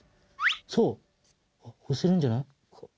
そうあっ押せるんじゃない？